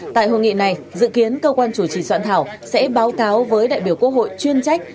tại hội nghị này dự kiến cơ quan chủ trì soạn thảo sẽ báo cáo với đại biểu quốc hội chuyên trách